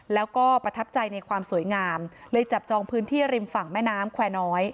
แล้วก็ประทับใจในความสวยงามเลยจับจองพื้นที่ริมฝั่งแม่น้ำแควร์น้อย